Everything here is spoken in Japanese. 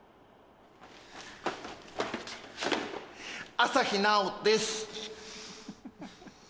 朝日奈央です